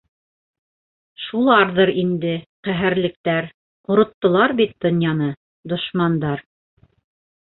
— Шуларҙыр инде, ҡәһәрлектәр, ҡороттолар бит донъяны, дошмандар.